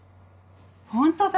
本当だ！